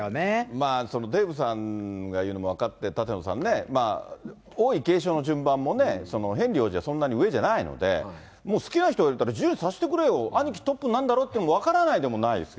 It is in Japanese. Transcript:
まあ、デーブさんが言うのも分かって、舘野さんね、王位継承の順番もね、ヘンリー王子はそんなに上じゃないので、もう好きな人がいたら自由にさせてくれよ、兄貴トップになるんだろうっていうのも、分からないでもないです